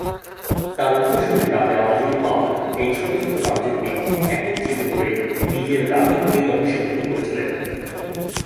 তার উত্তরসূরি রাজা অজয় পাল এই ছোট ছোট রাজ্যকে একত্রিত করে নিজের রাজত্বের অংশীভূত করেছিলেন।